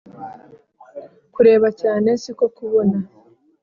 kureba cyane si ko kubona